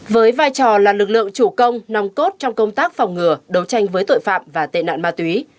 với vai trò là lực lượng chủ công nòng cốt trong công tác phòng ngừa đấu tranh với tội phạm và tệ nạn ma túy